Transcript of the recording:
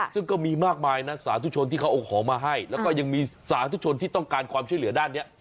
ซึ่งก็มีมากมายนะสาธุชนที่เขาเอาของมาให้แล้วก็ยังมีสาธุชนที่ต้องการความช่วยเหลือด้านนี้